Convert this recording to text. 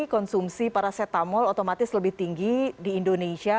konsumsi paracetamol otomatis lebih tinggi di indonesia